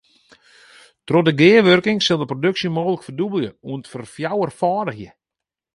Troch de gearwurking sil de produksje mooglik ferdûbelje oant ferfjouwerfâldigje.